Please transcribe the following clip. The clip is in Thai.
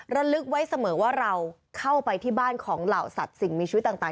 ระลึกไว้เสมอว่าเราเข้าไปที่บ้านของเหล่าสัตว์สิ่งมีชีวิตต่าง